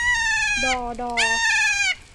ดอ ฎอ